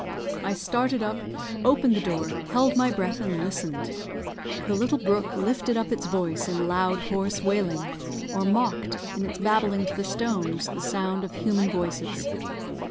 I started up, opened the door, held my breath, and listened. The little brook lifted up its voice in loud, hoarse wailing, or mocked, in its babbling to the stones, the sound of human voices.